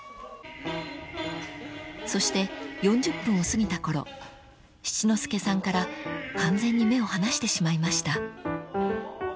［そして４０分を過ぎたころ七之助さんから完全に目を離してしまいました］